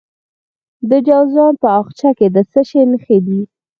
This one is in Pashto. د جوزجان په اقچه کې د څه شي نښې دي؟